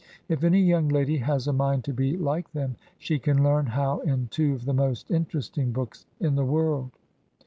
If any young Lady has a mind to be like them, she can learn how in two of the most interesting books in the world.